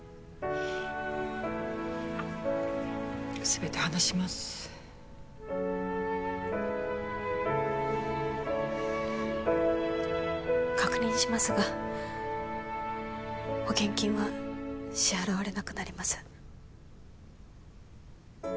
全て話します確認しますが保険金は支払われなくなります